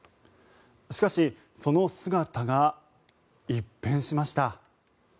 しかし、その姿が一変しました。